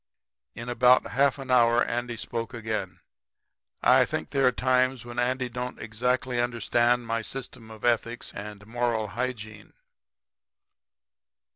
"In about half an hour Andy spoke again. I think there are times when Andy don't exactly understand my system of ethics and moral hygiene.